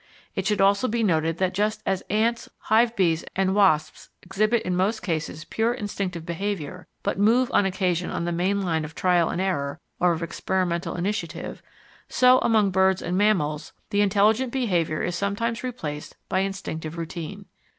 It should also be noted that just as ants, hive bees, and wasps exhibit in most cases purely instinctive behaviour, but move on occasion on the main line of trial and error or of experimental initiative, so among birds and mammals the intelligent behaviour is sometimes replaced by instinctive routine.